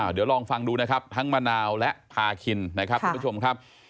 เดี๋ยวลองฟังดูนะครับทั้งมะนาวและพาคินนะครับทุกผู้ชมครับ